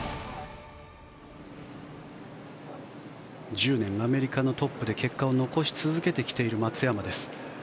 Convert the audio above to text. １０年アメリカのトップで結果を残し続けてきている松山です。